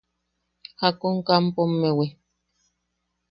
–¿Jakun kampomewi?